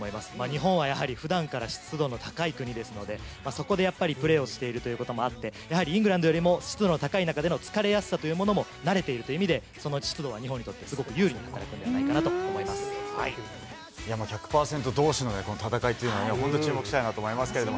日本はやはりふだんから湿度の高い国ですので、そこでやっぱり、プレーをしているということもあって、やはりイングランドよりも湿度の高い中での疲れやすさというのも、慣れているという意味で、その湿度は日本にとってすごく有利に働くんじゃないかなと思いま１００％どうしの戦いというのは、本当に注目したいと思いますけど。